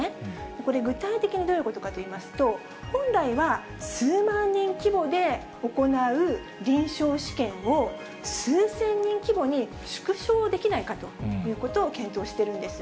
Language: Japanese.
これ、具体的にどういうことかと言いますと、本来は数万人規模で行う臨床試験を、数千人規模に縮小できないかということを検討しているんです。